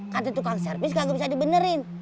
kata tukang servis kagak bisa dibenerin